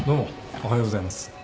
おはようございます。